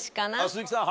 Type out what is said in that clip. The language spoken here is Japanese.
鈴木さん